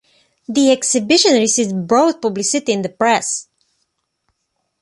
The exhibition received broad publicity in the press.